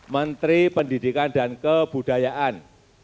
menteri pendidikan dan kebudayaan